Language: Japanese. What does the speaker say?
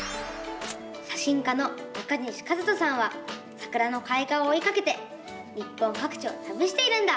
写真家の中西一登さんはさくらのかい花をおいかけて日本かく地をたびしているんだ！